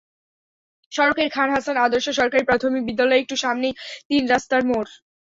সড়কের খান হাসান আদর্শ সরকারি প্রাথমিক বিদ্যালয়ের একটু সামনেই তিন রাস্তার মোড়।